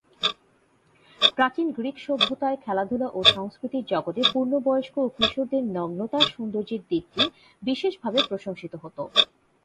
প্রাচীন গ্রিক সভ্যতায় খেলাধুলা ও সংস্কৃতির জগতে পূর্ণবয়স্ক ও কিশোরদের নগ্নতার সৌন্দর্যের দিকটি বিশেষভাবে প্রশংসিত হত।